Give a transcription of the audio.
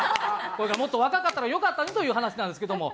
これがもっと若かったらよかったねという話なんですけども。